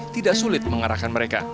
tidak sulit mengarahkan mereka